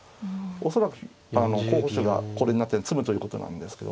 恐らく候補手がこれになってるんで詰むということなんですけど。